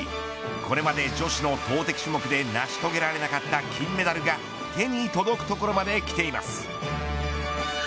これまで女子の投てき種目で成し遂げられなかった金メダルが手に届くところまできています。